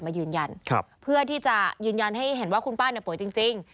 มายืนยันเพื่อที่จะยืนยันให้เห็นว่าคุณป้าเนี่ยป่วยจริง